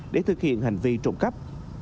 để thực hiện hành vi trộm cắp